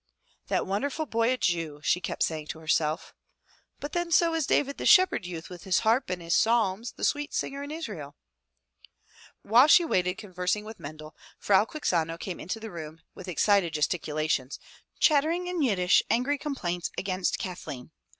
"That wonderful boy a Jew," she kept saying to herself. "But then so was David the shepherd youth with his harp and his psalms, the sweet singer in Israel." While she waited conversing with Mendel, Frau Quixano came into the room with excited gesticulations, chattering in Yiddish angry complaints against Kathleen.